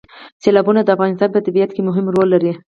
سیلابونه د افغانستان په طبیعت کې مهم رول لري.